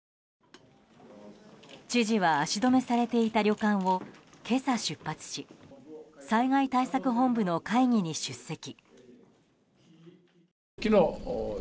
知事は、足止めされていた旅館を今朝出発し災害対策本部の会議に出席。